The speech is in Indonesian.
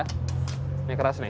ini keras nih